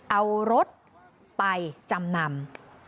เอารถไปจำนำ